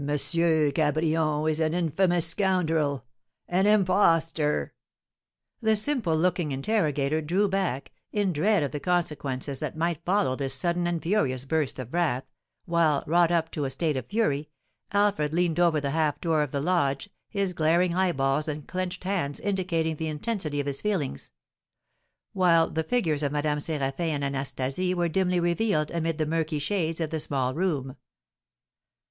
Cabrion is an infamous scoundrel, an impostor!" The simple looking interrogator drew back, in dread of the consequences that might follow this sudden and furious burst of wrath, while, wrought up to a state of fury, Alfred leaned over the half door of the lodge, his glaring eyeballs and clenched hands indicating the intensity of his feelings; while the figures of Madame Séraphin and Anastasie were dimly revealed amid the murky shades of the small room.